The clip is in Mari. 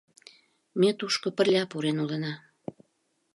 — Ме тушко пырля пурен улына